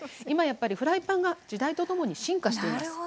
今やっぱりフライパンが時代とともに進化しています。